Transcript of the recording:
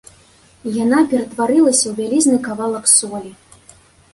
Яна ператварылася ў вялізны кавалак солі.